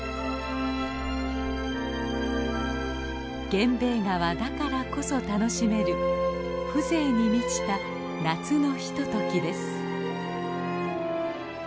源兵衛川だからこそ楽しめる風情に満ちた夏のひとときです。